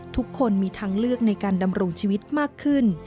ทุกคนมีทางเลือกในการดำรงชีวิตมากขึ้น